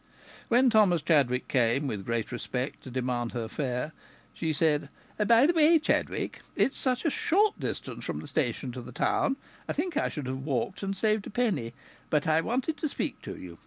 When Thomas Chadwick came, with great respect, to demand her fare, she said: "By the way, Chadwick, it's such a short distance from the station to the town, I think I should have walked and saved a penny. But I wanted to speak to you.